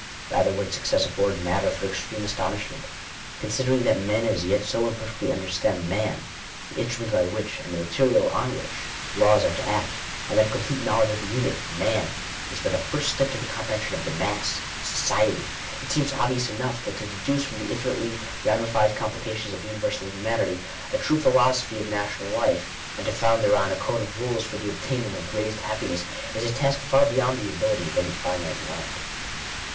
Rather would its success afford matter for extreme astonishment. Considering that men as yet so im perfectly understand man — the instrument by which, and the material on which, laws are to act — and that a complete know ledge of the unit — man, is but a first step to the comprehension of the m&ss— society, it seems obvious enough that to educe from the infinitely ramified complications of universal hu manity, a true philosophy of national life, and to found thereon Digitized by VjOOQIC • J TO INTRODUCTION. Qfl . a code of roles for the obtainment of " greatest happiness" is a ) task far beyond the ability of any finite mind.